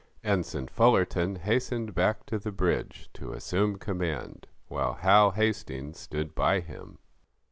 Ensign Fullerton hastened back to the bridge, to assume command, while Hal hastings stood by him.